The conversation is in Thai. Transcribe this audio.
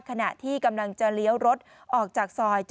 ขณะที่กำลังจะเลี้ยวรถออกจากซอย๗